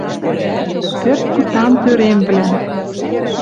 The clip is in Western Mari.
Пӧртгутан тӧремвлӓм